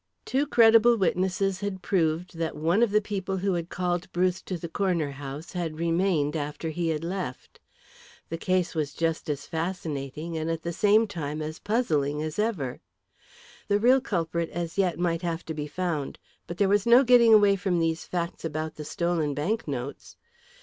Two credible witnesses had proved that one of the people who had called Bruce to the corner house had remained after he had left. The case was just as fascinating, and at the same time as puzzling as ever. The real culprit as yet might have to be found, but there was no getting away from these facts about the stolen banknotes.